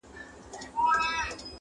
پرښاخونو به مو پېغلي ټالېدلای -